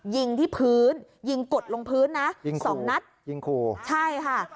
ยิงที่พื้นยิงกดลงพื้นนะยิงสองนัดยิงขู่ใช่ค่ะ